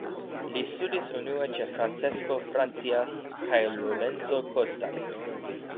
Li studis unue ĉe Francesco Francia kaj Lorenzo Costa.